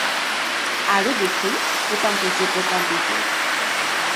আরও দেখুন রূপান্তরযোগ্য কম্পিউটিং।